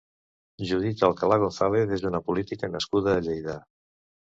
Judith Alcalà Gonzàlez és una política nascuda a Lleida.